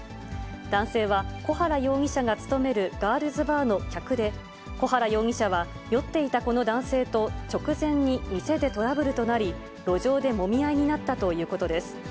男性は、小原容疑者が勤めるガールズバーの客で、小原容疑者は、酔っていたこの男性と直前に店でトラブルとなり、路上でもみ合いになったということです。